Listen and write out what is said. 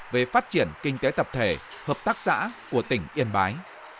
về phát triển kinh tế tập thể hợp tác xã của tỉnh yên bái